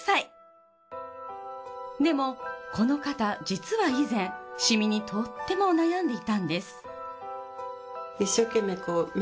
でもこの方実は以前シミにとっても悩んでいたんです。